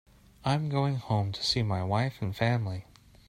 I'm going home and see my wife and family.